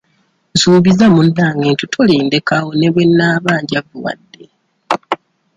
Nsuubiza munnange nti tolindekawo ne bwe nnaaba njavuwadde.